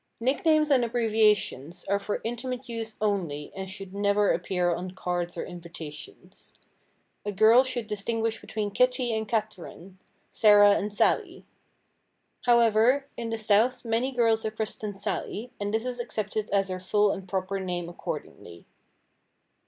Nicknames and abbreviations are for intimate use only and should never appear on cards or invitations. A girl should distinguish between "Kitty" and "Katharine," "Sarah" and "Sallie." However, in the south many girls are christened "Sallie," and this is accepted as her full and proper name accordingly.